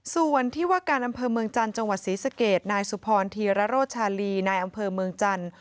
ส่วนที่ว่าการอำเภอเมืองจันทร์จังหวัดศรีสเกตนายสุพรธีรโรชาลีนายอำเภอเมืองจันทร์